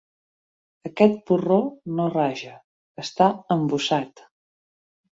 Aquest porró no raja; està embussat.